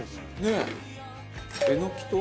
えのきと。